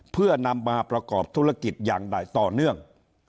เพื่อนำมาประกอบธุรกิจอย่างต่อเนื่อง